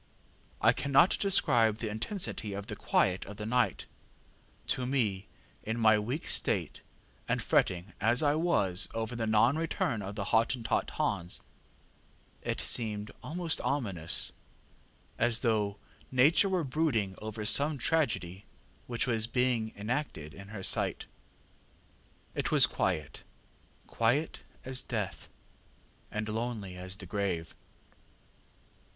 I cannot describe the intensity of the quiet of the night: to me in my weak state, and fretting as I was over the non return of the Hottentot Hans, it seemed almost ominous as though Nature were brooding over some tragedy which was being enacted in her sight. ŌĆ£It was quiet quiet as death, and lonely as the grave.